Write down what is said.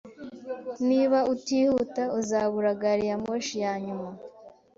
Niba utihuta, uzabura gari ya moshi yanyuma.